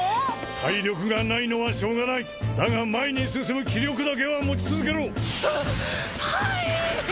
体力がないのはしょうがないだが前に進む気力だけは持ち続けろ！ははい！